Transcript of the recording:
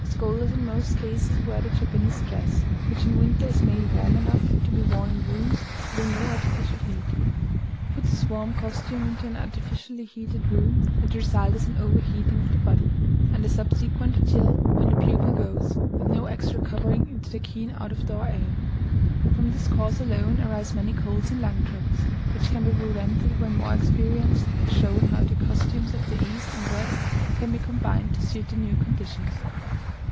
The scholars in most cases wear the Japanese dress, which in winter is made warm enough to be worn in rooms having no artificial heat. Put this warm costume into an artificially heated room and the result is an over heating of the body, and a subsequent chill when the pupil goes, with no extra covering, into the keen out of door air. From this cause alone, arise many colds and lung troubles, which can be prevented when more experience has shown how the costumes of the East and West can be combined to suit the new conditions.